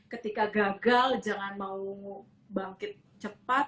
ketika gagal jangan mau bangkit cepat